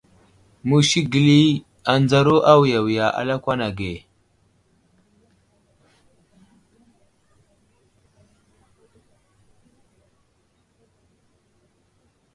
Musi gəli anzawaru awiya wiya a lakwan age.